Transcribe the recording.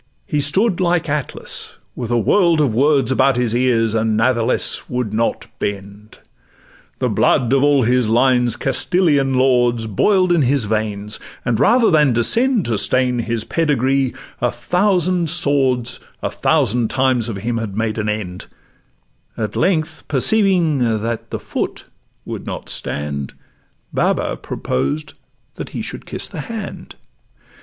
He stood like Atlas, with a world of words About his ears, and nathless would not bend: The blood of all his line 's Castilian lords Boil'd in his veins, and rather than descend To stain his pedigree a thousand swords A thousand times of him had made an end; At length perceiving the 'foot' could not stand, Baba proposed that he should kiss the hand.